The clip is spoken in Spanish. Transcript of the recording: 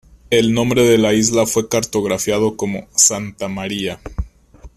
El nombre de la isla fue cartografiado como Santa María.